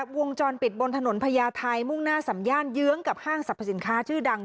วงจรปิดบนถนนพญาไทยมุ่งหน้าสำย่านเยื้องกับห้างสรรพสินค้าชื่อดัง